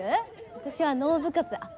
私はノー部活あっ